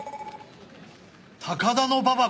高田馬場